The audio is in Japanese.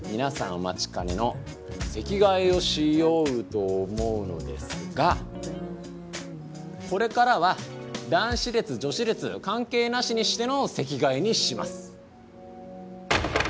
お待ちかねの席替えをしようと思うのですがこれからは男子列女子列関係なしにしての席替えにします。